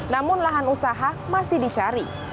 namun lahan usaha masih dicari